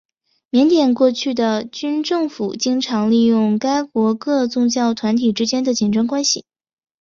缅甸过去的军政府经常利用该国各宗教团体之间的紧张关系。